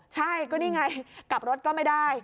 ใช่ก็นี่ไงกลับรถก็ไม่ได้